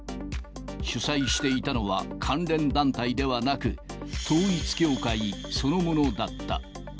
主催していたのは関連団体ではなく、統一教会そのものだった。